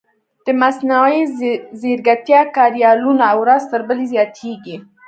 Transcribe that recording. د مصنوعي ځیرکتیا کاریالونه ورځ تر بلې زیاتېږي.